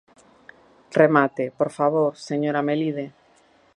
Remate, por favor, señora Melide.